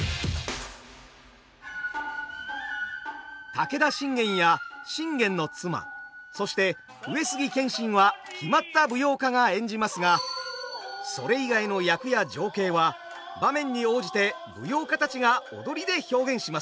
武田信玄や信玄の妻そして上杉謙信は決まった舞踊家が演じますがそれ以外の役や情景は場面に応じて舞踊家たちが踊りで表現します。